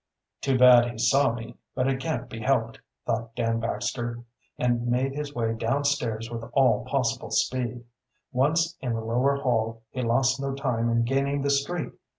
"Too bad he saw me, but it can't be helped," thought Dan Baxter, and made his way downstairs with all possible speed. Once in the lower hall he lost no time in gaining the street.